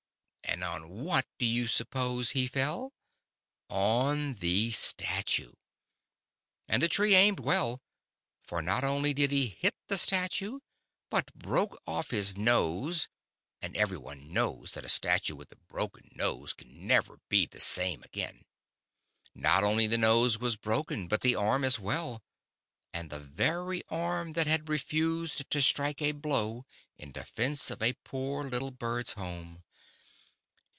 And on what do you suppose he fell ? On the Statue. And the Tree aimed well, for not only did he hit the Statue, but broke off his nose (and every one knows that a statue with a broken nose can never be the same The Statue and the Birds. 183 again). Not only the nose was broken, but the arm as well, and the very arm too that had re fused to strike a blow in defence of a poor little bird's home.